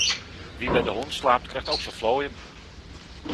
Wie bij de hond slaapt, krijgt ook zijn vlooien.